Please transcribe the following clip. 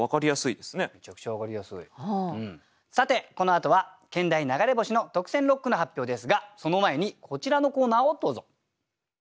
さてこのあとは兼題「流れ星」の特選六句の発表ですがその前にこちらのコーナーをどうぞ。